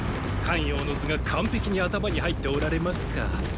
咸陽の図が完璧に頭に入っておられますか。